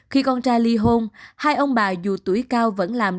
khi con trai ly hôn hai ông bà dù tuổi cao vẫn làm